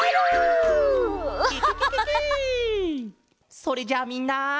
それじゃあみんな。